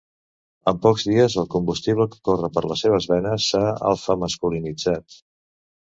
En pocs dies el combustible que corre per les seves venes s'ha alfamasculinitzat.